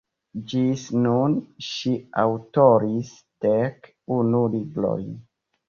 Ĝis nun ŝi aŭtoris dek unu librojn.